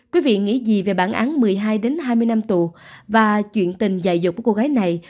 quý vị nghĩ gì về bản án một mươi hai hai mươi năm tù và chuyện tình dạy dỗ của cô gái này